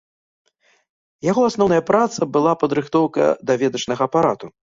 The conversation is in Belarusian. Яго асноўная праца была падрыхтоўка даведачнага апарату.